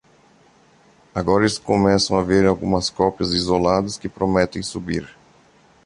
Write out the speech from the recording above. Agora eles começam a ver algumas cópias isoladas que prometem subir.